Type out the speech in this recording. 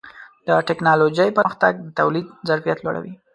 د ټکنالوجۍ پرمختګ د تولید ظرفیت لوړوي.